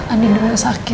andi udah sakit